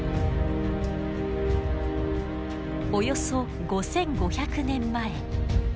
およそ５，５００年前。